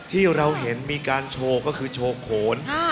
ที่เราเห็นมีการโชว์ก็คือโชว์โขน